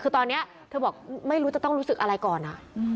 คือตอนนี้เธอบอกไม่รู้จะต้องรู้สึกอะไรก่อน